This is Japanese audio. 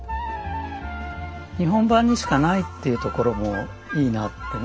日本版にしかないっていうところもいいなってね